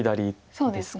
そうですね